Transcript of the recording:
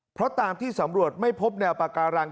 เพราะตามที่สำรวจไม่พบแนวปาการัง